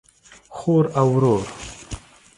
خور او ورور